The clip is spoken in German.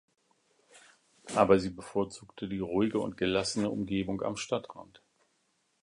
Aber sie bevorzugte die ruhige und gelassene Umgebung am Stadtrand.